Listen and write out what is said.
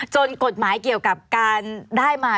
กฎหมายเกี่ยวกับการได้มา